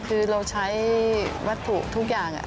คือเราใช้วัตถุทุกอย่าง